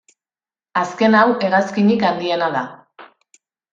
Azken hau hegazkinik handiena da.